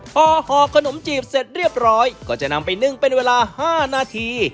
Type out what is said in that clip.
พอห่อขนมจีบเสร็จเรียบร้อยก็จะนำไปนึ่งเป็นเวลา๕นาที